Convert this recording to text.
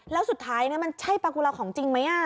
แล้วสุดท้ายมันใช่ปลากุลาของจริงไหม